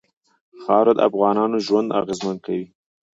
خاوره د افغانانو ژوند اغېزمن کوي.